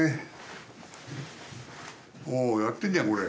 おおやってんじゃんこれ。